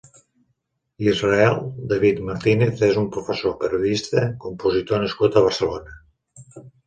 Israel David Martínez és un professor, periodista, compositor nascut a Barcelona.